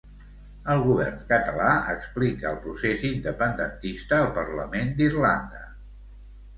El govern català explica el procés independentista al parlament d'Irlanda.